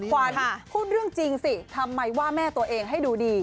ขวัญพูดเรื่องจริงสิทำไมว่าแม่ตัวเองให้ดูดี